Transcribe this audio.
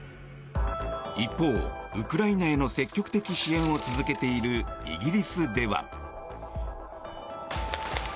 一方、ウクライナへの積極的支援を続けているイギリスでは。